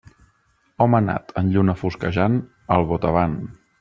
Home nat en lluna fosquejant, al botavant.